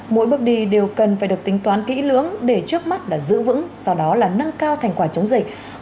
mỗi bước đi đều cần phải được tính toán kỹ lưỡng để trước mắt là giữ vững sau đó là nâng cao thành quả chống dịch